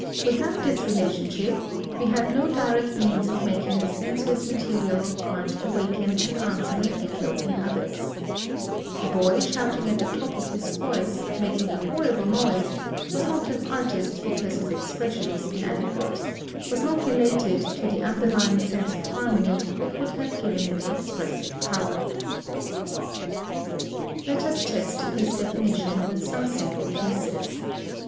Without this relationship we have no direct means of making the sensuous material of art awaken an answering echo in others. The boy shouting at the top of his voice, making a horrible noise, was not an artist because his expression was inadequate was not related to the underlying sense of harmony that would have given it expressive power. [Illustration: Plate III. STUDY FOR "APRIL" In red chalk on toned paper.] Let us test this definition with some simple cases.